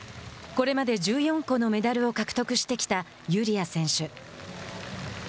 これまで１４個のメダルを獲得してきたユリア選手。